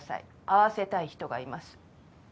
会わせたい人がいます。